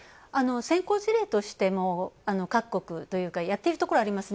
先行事例としても各国というかやっているところありますね。